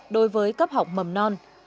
đối với cấp học mầm non